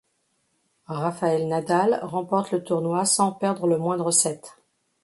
Rafael Nadal remporte le tournoi sans perdre le moindre set.